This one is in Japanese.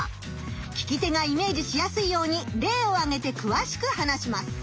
聞き手がイメージしやすいようにれいをあげてくわしく話します。